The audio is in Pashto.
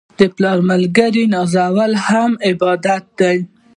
د پلار ملګري نازول هم عبادت دی.